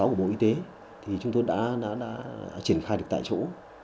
của bộ y tế thì chúng tôi đã triển khai được tại chỗ